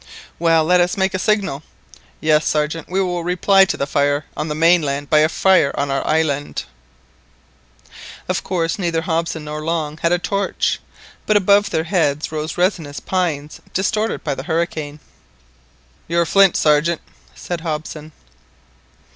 "Well, let us make a signal!" "Yes, Sergeant, we will reply to the fire on the mainland by a fire on our island!" Of course neither Hobson nor Long had a torch, but above their heads rose resinous pines distorted by the hurricane. "Your flint, Sergeant," said Hobson.